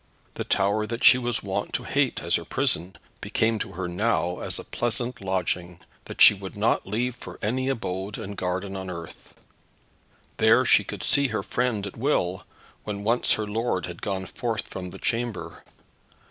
The tower that she was wont to hate as her prison, became to her now as a pleasant lodging, that she would not leave for any abode and garden on earth. There she could see her friend at will, when once her lord had gone forth from the chamber.